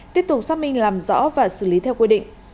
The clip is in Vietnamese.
tiếp tục xác minh làm rõ và xử lý theo quy định